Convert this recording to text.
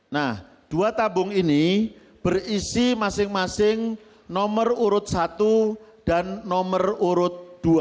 nah dua tabung ini berisi masing masing nomor urut satu dan nomor urut dua